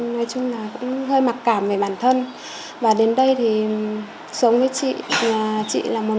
nói chung là cũng hơi mặc cảm về bản thân và đến đây thì sống với chị là một